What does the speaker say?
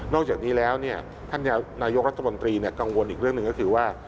จากนี้แล้วท่านนายกรัฐมนตรีกังวลอีกเรื่องหนึ่งก็คือว่า